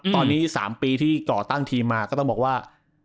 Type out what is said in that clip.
ตอนนี้๓ปีที่ก่อตั้งทีมมาก็ต้องบอกว่า